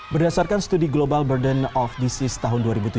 berdasarkan studi global burden of disease tahun dua ribu tujuh belas